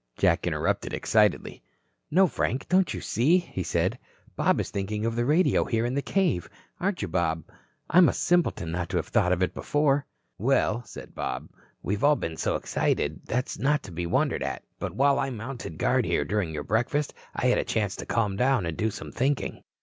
Jack interrupted excitedly. "No, Frank, don't you see!" he said. "Bob is thinking of the radio here in the cave. Aren't you, Bob? I'm a simpleton not to have thought of it before." "Well," said Bob, "we've all been so excited, that's not to be wondered at. But while I mounted guard here during your breakfast, I had a chance to calm down and do some thinking."